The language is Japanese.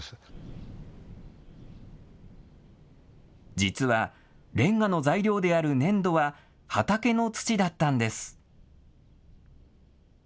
実はレンガの材料である粘土は畑の土だったんです。